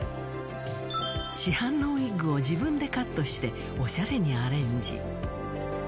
市販のウィッグを自分でカットして、おしゃれにアレンジ。